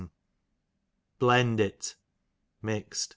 Blendit, mixed.